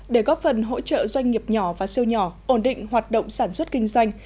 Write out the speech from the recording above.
để góp phần hỗ trợ doanh nghiệp nhỏ và siêu nhỏ ổn định hoạt động sản xuất kinh doanh